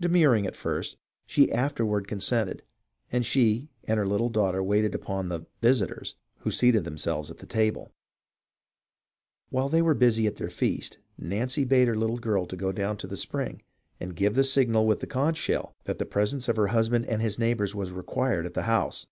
De murring at first, she afterward consented, and she and her little daughter waited upon the "visitors," who seated themselves at the table. While they were busy at their feast, Nancy bade her little girl go down to the spring and give the signal with the conch shell that the presence of her husband and his neighbours was required at the house.